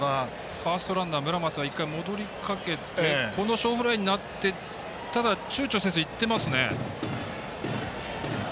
ファーストランナー村松が１回戻りかけて小フライになってただ、ちゅうちょせずに行ってますね。